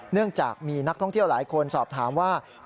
เนื่องจากมีนักท่องเที่ยวหลายคนสอบถามว่า